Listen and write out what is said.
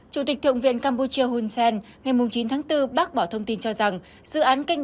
chủ tịch thượng viện campuchia hun sen ngày chín tháng bốn bác bỏ thông tin cho rằng dự án kênh